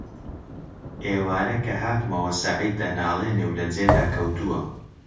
ئێوارە کە هاتمەوە سەعید دەناڵێنێ و لە جێدا کەوتووە: